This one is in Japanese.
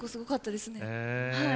はい。